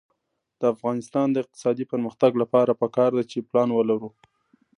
د افغانستان د اقتصادي پرمختګ لپاره پکار ده چې پلان ولرو.